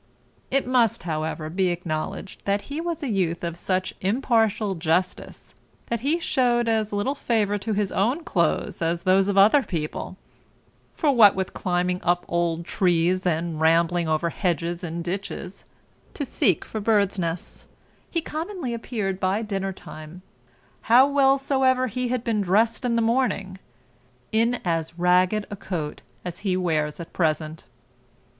It must, however, be acknowledged that he was a youth of such impartial justice, that he shewed as little favour to his own clothes as to those of other people; for what with climbing up old trees, and rambling over hedges and ditches, to seek for birds nests, he commonly appeared by dinner time, how well soever he had been dressed in the morning, in as ragged a coat as he wears at present.